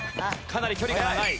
かなり距離が長い。